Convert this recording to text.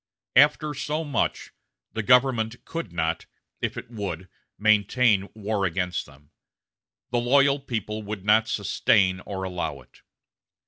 After so much, the government could not, if it would, maintain war against them. The loyal people would not sustain or allow it.